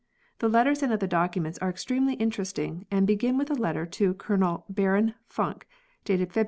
The letters and other documents are extremely interesting and begin with a letter to Colonel Baron Funck (dated Feb.